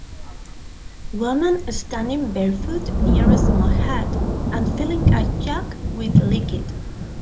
Woman standing barefoot near a small hut and filling a jug with liquid.